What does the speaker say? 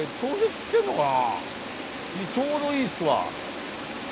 ちょうどいいっすわ。